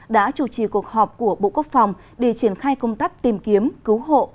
đã chủ trì cuộc họp của bộ quốc phòng để triển khai công tác tìm kiếm cứu hộ